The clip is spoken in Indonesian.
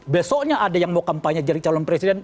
besoknya ada yang mau kampanye jadi calon presiden